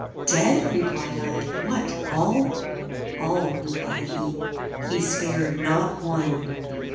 "Dead!" replied I; "what, all?" "All!" replied he: "he spared NOT ONE!"